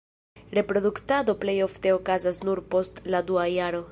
Reproduktado plej ofte okazas nur post la dua jaro.